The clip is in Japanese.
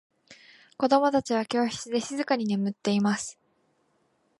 子供達は教室で静かに座っています。